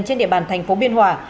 trên địa bàn thành phố biên hòa